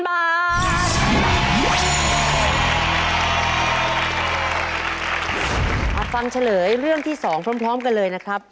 มาฟังเฉลยเรื่องที่๒พร้อมกันเลยนะครับ